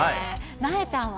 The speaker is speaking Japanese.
なえちゃんは？